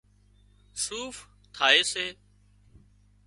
صوف ٿائي سي